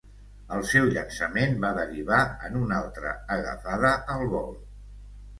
El seu llançament va derivar en una altra agafada al vol.